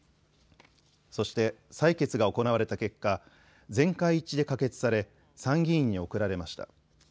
そして採決が行われた結果、全会一致で可決され参議院に送られました。